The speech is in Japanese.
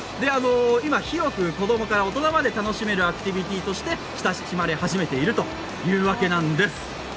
今、広く子供から大人まで楽しめるアクティビティーとして親しまれ始めているというわけなんです。